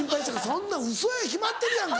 そんなんウソに決まってるやんか。